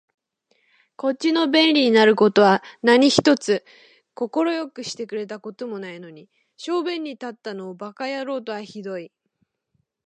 こっちの便利になる事は何一つ快くしてくれた事もないのに、小便に立ったのを馬鹿野郎とは酷い